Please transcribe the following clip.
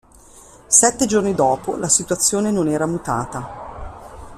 Sette giorni dopo, la situazione non era mutata.